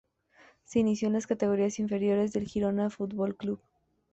Se inició en las categorías inferiores del Girona Futbol Club.